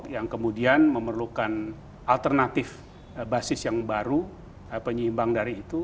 yang kemudian memerlukan alternatif basis yang baru penyeimbang dari itu